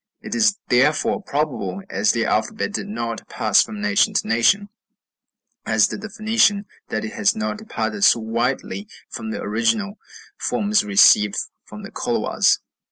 It is therefore probable, as their alphabet did not pass from nation to nation, as did the Phoenician, that it has not departed so widely from the original forms received from the Colhuas.